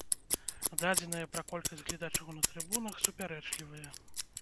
Дадзеныя пра колькасць гледачоў на трыбунах супярэчлівыя.